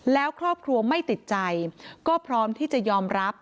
แล้วครอบครัวไม่ติดใจก็พร้อมที่จะยอมรับ